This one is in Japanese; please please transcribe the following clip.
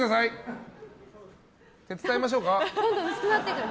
手伝いましょうか？